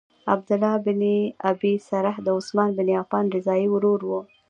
عبدالله بن ابی سرح د عثمان بن عفان رضاعی ورور وو.